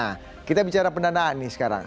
nah kita bicara pendanaan nih sekarang